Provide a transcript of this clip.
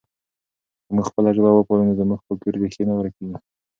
که موږ خپله ژبه وپالو نو زموږ کلتوري ریښې نه ورکېږي.